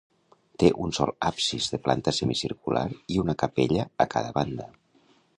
Té un sol absis, de planta semicircular, i una capella a cada banda.